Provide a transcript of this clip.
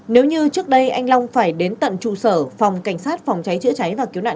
nếu như trước đây anh long phải đến tận trụ sở phòng cảnh sát phòng cháy chữa cháy và cứu nạn